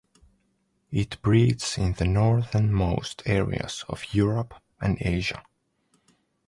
It breeds in the northernmost areas of Europe and Asia.